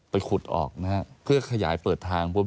ไปขุดออกเพื่อขยายเปิดทาง